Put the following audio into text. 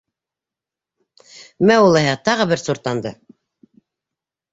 -Мә улайһа, тағы бер суртанды!